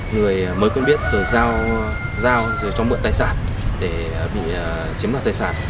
người mới quân biết rồi giao cho mượn tài sản để bị chiếm đoạt tài sản